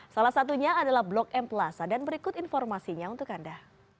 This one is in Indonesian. salah satunya adalah blok m plaza dan berikut informasinya untuk anda